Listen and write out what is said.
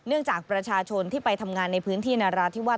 จากประชาชนที่ไปทำงานในพื้นที่นราธิวาส